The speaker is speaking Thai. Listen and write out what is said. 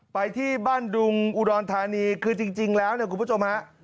ไปที่บ้านดุงอุดรธานีคือจริงแล้วเนี่ยคุณผู้ชมฮะ